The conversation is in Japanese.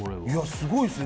すごいですね。